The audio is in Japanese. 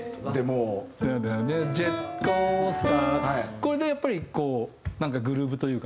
これでやっぱりこうなんかグルーヴというかね。